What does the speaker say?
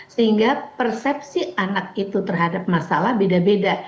sehingga persepsi anak itu terhadap masalah beda beda